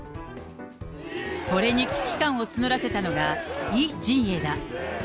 これに危機感を募らせたのが、イ陣営だ。